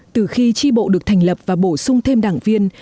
từ khi tri bộ được thành lập và bổ sung thêm đảng viên